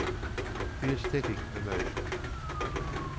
The Aesthetic Emotions.